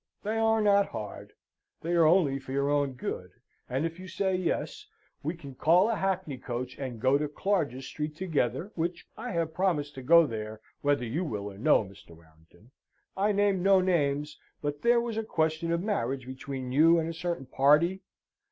"They are not hard. They are only for your own good: and if you say Yes, we can call a hackney coach, and go to Clarges Street together, which I have promised to go there, whether you will or no. Mr. Warrington, I name no names, but there was a question of marriage between you and a certain party."